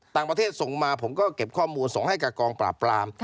ต่างประเทศส่งมาผมก็เก็บข้อมูลส่งให้กับกองปราบปราม